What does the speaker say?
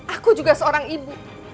aku juga seorang ibu